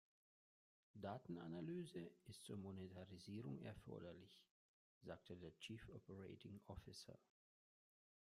Datenanalyse ist zur Monetarisierung erforderlich, sagte der Chief Operating Officer.